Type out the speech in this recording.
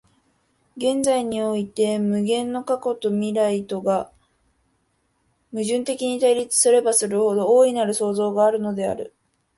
現在において無限の過去と未来とが矛盾的に対立すればするほど、大なる創造があるのである。